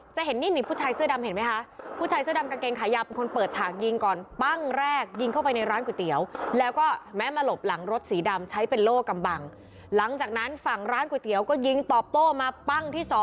จะเห็นนี่นิดผู้ชายเสื้อดำเห็นไหมฮะ